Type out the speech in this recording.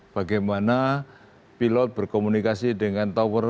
bagaimana pilot berkomunikasi dengan tower